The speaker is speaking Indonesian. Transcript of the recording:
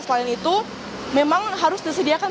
selain itu memang harus disediakan